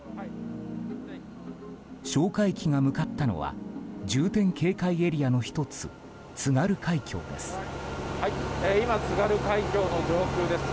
哨戒機が向かったのは重点警戒エリアの１つ津軽海峡です。